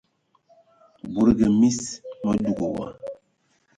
Budugi mis, mə dug wa.